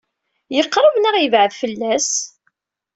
Yeqṛeb neɣ yebɛed fell-as?